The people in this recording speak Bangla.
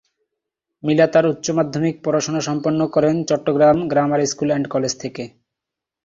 মিলা তাঁর উচ্চ মাধ্যমিক পড়াশোনা সম্পন্ন করেন Chittagong Grammar School and College থেকে।